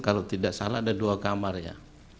kalau tidak salah ada dua kamarnya